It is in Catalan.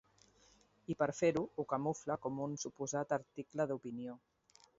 I, per fer-ho, ho camufla com un suposat article d’opinió.